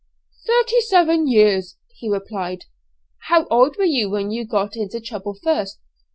"Thirty seven years," he replied. "How old were you when you got into trouble first?"